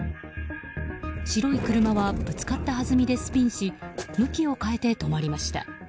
白い車はぶつかったはずみでスピンし向きを変えて止まりました。